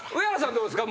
どうですか？